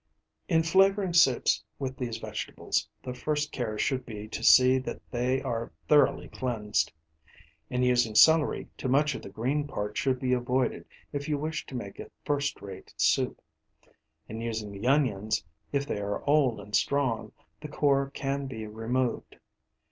In flavouring soups with these vegetables, the first care should be to see that they are thoroughly cleansed. In using celery, too much of the green part should be avoided if you wish to make first rate soup. In using the onions, if they are old and strong, the core can be removed.